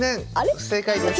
不正解です。